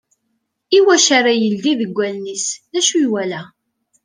I wacu ara ileddi deg wallen-is? D ucu i yewala?